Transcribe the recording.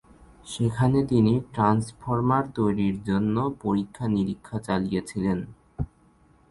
সেখানে তিনি ট্রান্সফর্মার তৈরির জন্য পরীক্ষা-নিরীক্ষা চালিয়েছিলেন।